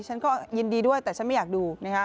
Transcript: ฉันก็ยินดีด้วยแต่ฉันไม่อยากดู